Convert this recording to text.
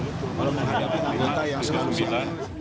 kita akan menghadapi anak anak yang sekarang